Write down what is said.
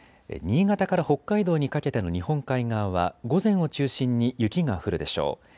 新潟から北海道にかけての日本海側は午前を中心に雪が降るでしょう。